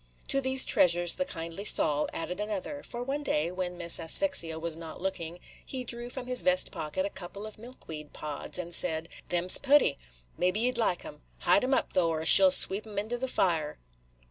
To these treasures the kindly Sol added another; for one day, when Miss Asphyxia was not looking, he drew from his vest pocket a couple of milkweed pods, and said, "Them 's putty, – mebbe ye 'd like 'em; hide 'em up, though, or she 'll sweep 'em into the fire."